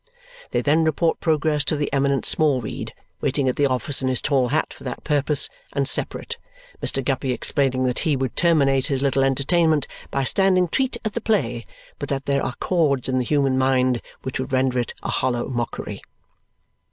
They then report progress to the eminent Smallweed, waiting at the office in his tall hat for that purpose, and separate, Mr. Guppy explaining that he would terminate his little entertainment by standing treat at the play but that there are chords in the human mind which would render it a hollow mockery.